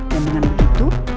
dan dengan begitu